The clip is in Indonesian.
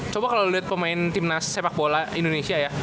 coba kalau lihat pemain timnas sepak bola indonesia ya